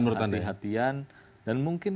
menurut anda ketidakhatihan dan mungkin